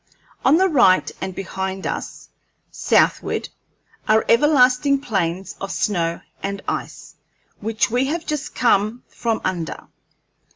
On the right and behind us, southward, are everlasting plains of snow and ice, which we have just come from under.